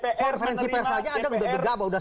konferensi persah aja ada yang gegabah